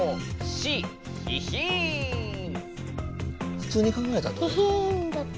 ふつうに考えたらどれ？